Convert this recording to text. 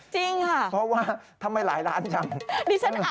จริงค่ะเพราะว่าทำไมหลายล้านจัง